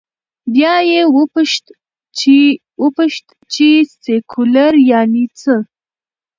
بیا یې وپوښت، چې سیکولر یعنې څه؟